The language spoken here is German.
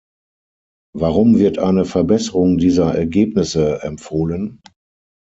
Warum wird eine Verbesserung dieser Ergebnisse empfohlen?